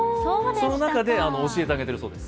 その中で教えてあげているそうです。